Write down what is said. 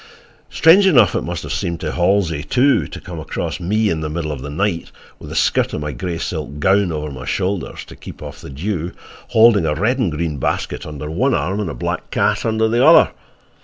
Strange enough it must have seemed to Halsey, too, to come across me in the middle of the night, with the skirt of my gray silk gown over my shoulders to keep off the dew, holding a red and green basket under one arm and a black cat under the other.